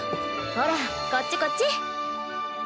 ほらこっちこっち。